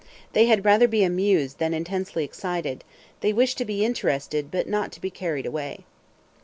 They had rather be amused than intensely excited; they wish to be interested, but not to be carried away.